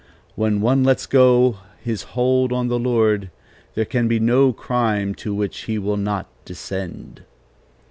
When one lets go his hold on the Lord, there can be no crime to which he will not descend."